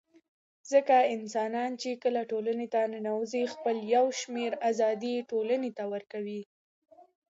ځکه انسانان چي کله ټولني ته ننوزي خپل يو شمېر آزادۍ ټولني ته ورکوي